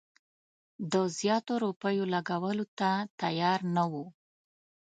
د زیاتو روپیو لګولو ته تیار نه وو.